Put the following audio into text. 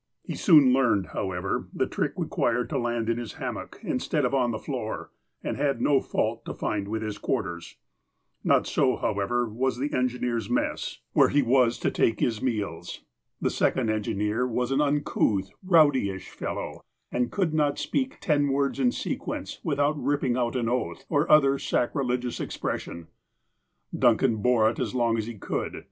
He soon learned, however, the trick required to land in his hammock, instead of on the floor, and had no fault to find with his quarters. Not so, however, with the engineer's mess, where he 39 40 THE APOSTLE OF ALASKA was to take his meals. The second engineer was an un couth, rowdyish fellow, and could not speak ten words in sequence without ripping out an oath, or other sacri legious expression. Duncan bore it as long as he could.